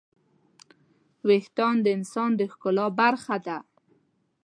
وېښتيان د انسان د ښکلا برخه ده.